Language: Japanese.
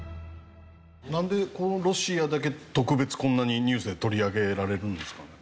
なんでこのロシアだけ特別こんなにニュースで取り上げられるんですかね？